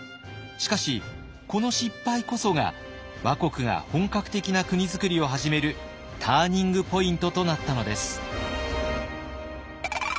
しかしこの失敗こそが倭国が本格的な国づくりを始めるターニングポイントとなったのです。